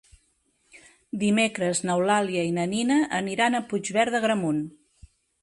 Dimecres n'Eulàlia i na Nina aniran a Puigverd d'Agramunt.